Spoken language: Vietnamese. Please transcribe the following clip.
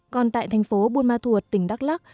còn tại thành phố buôn ma thuột tỉnh đắk lắc